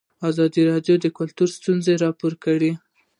ازادي راډیو د کلتور ستونزې راپور کړي.